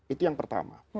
itu yang pertama